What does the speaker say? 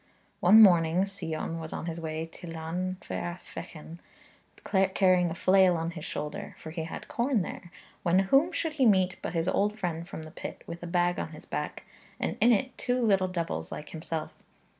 One morning Sion was on his way to Llanfair Fechan, carrying a flail on his shoulder, for he had corn there, when whom should he meet but his old friend from the pit, with a bag on his back, and in it two little devils like himself.